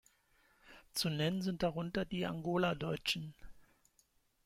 Zu nennen sind darunter die Angola-Deutschen.